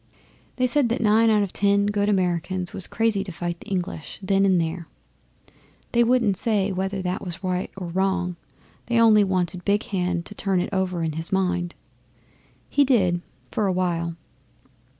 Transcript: They said that nine out of ten good Americans was crazy to fight the English then and there. They wouldn't say whether that was right or wrong; they only wanted Big Hand to turn it over in his mind. He did for a while.